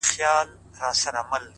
پوهه د ذهن افق روښانوي،